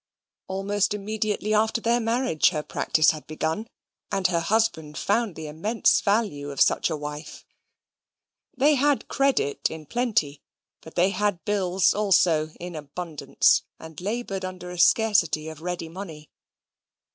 Almost immediately after their marriage, her practice had begun, and her husband found the immense value of such a wife. They had credit in plenty, but they had bills also in abundance, and laboured under a scarcity of ready money.